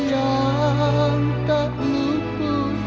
dua handal itu